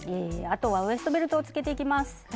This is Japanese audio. あとはウエストベルトをつけていきます。